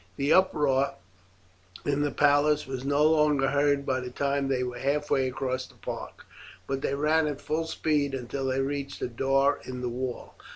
The uproar in the palace was no longer heard by the time they were halfway across the park; but they ran at full speed until they reached a door in the wall.